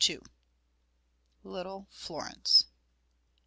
LITTLE FLORENCE.